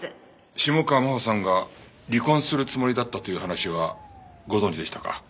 下川真帆さんが離婚するつもりだったという話はご存じでしたか？